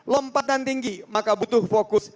lompatan tinggi maka butuh fokus